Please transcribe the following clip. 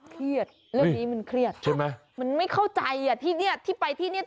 ขึ้นใน